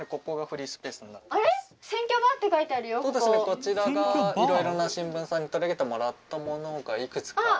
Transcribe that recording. こちらがいろいろな新聞さんに取り上げてもらったものがいくつか載っていますね。